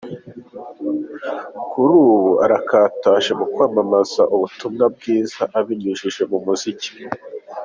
Kuri ubu arakataje mu kwamamaza ubutumwa bwiza abinyujije mu muziki.